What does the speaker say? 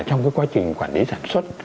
trong cái quá trình quản lý sản xuất